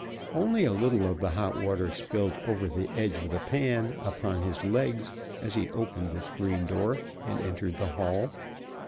Only a little of the hot water spilled over the edge of the pan upon his legs as he opened the screen door and entered the hall.